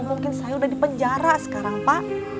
mungkin saya udah dipenjara sekarang pak